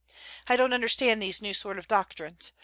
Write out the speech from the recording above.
I don't understand these new sort of doctrines.